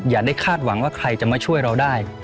อย่าได้คาดหวังว่าใครจะมาช่วยเราได้